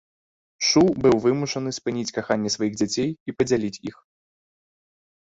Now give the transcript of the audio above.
Шу быў вымушаны спыніць каханне сваіх дзяцей і падзяліць іх.